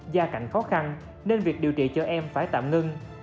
gia cảnh khó khăn nên việc điều trị cho em phải tạm ngưng